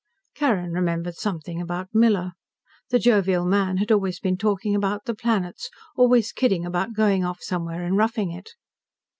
Carrin remembered something about Miller. The jovial man had always been talking about the planets, always kidding about going off somewhere and roughing it.